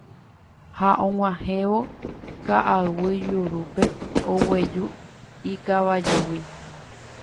Ha og̃uahẽvo ka'aguy jurúpe oguejy ikavajúgui.